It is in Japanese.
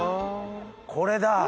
これだ。